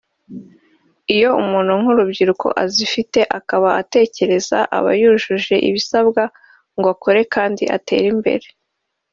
iyo umuntu nk’urubyiruko azifite akaba atekereza aba yujuje ibisabwa ngo akore kandi atere imbere